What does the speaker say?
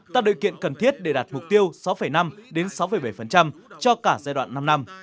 tăng điều kiện cần thiết để đạt mục tiêu sáu năm sáu bảy cho cả giai đoạn năm năm